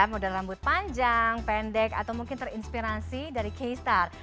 model rambut panjang pendek atau mungkin terinspirasi dari k star